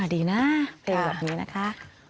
ดีนะเป็นแบบนี้นะคะ